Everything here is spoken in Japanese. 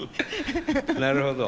なるほど。